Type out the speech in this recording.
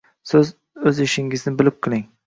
siz o‘z ishingizni bilib qiling.